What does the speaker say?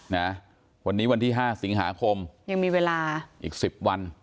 วันนี้วันที่๕สิงหาคมยังมีเวลาอีก๑๐วัน